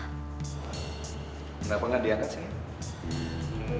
kenapa gak dia kan sayang